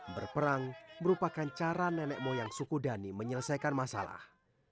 berperang merupakan cara nenek moyang suku dhani menyelesaikan masalah